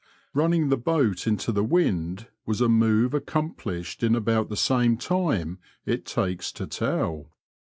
Eunning the boat into the wind was a move accomplished in about the same time it takes to tell.